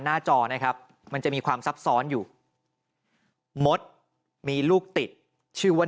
จอนะครับมันจะมีความซับซ้อนอยู่มดมีลูกติดชื่อว่า